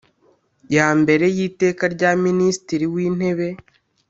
ya mbere y’iteka rya minisitiri w’intebe